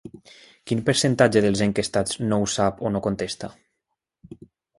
Quin percentatge dels enquestats no ho sap o no contesta?